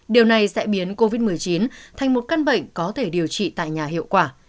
điều này sẽ biến covid một mươi chín thành một căn bệnh có thể điều trị tại nhà hiệu quả